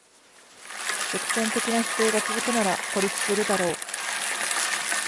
独占的な姿勢が続くなら孤立するだろう